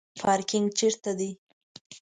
پارکینګ چیرته دی؟